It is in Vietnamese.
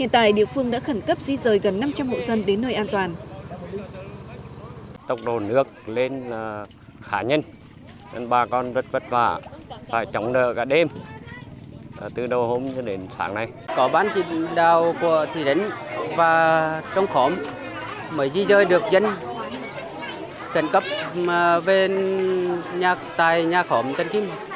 hiện tại địa phương đã khẩn cấp di rời gần năm trăm linh hộ dân đến nơi an toàn